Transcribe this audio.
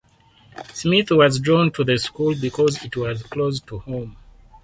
Smith was drawn to the school because it was close to home.